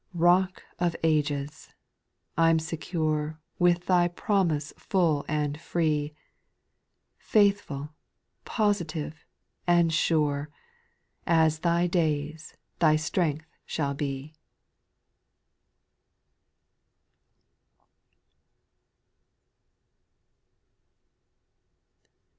4. Rock of ages ! I 'm secure, "With thy promise full and free. Faithful, positive, and sure —'* As thy days, thy strength shall be."